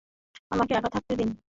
আমাকে একা থাকতে দিন।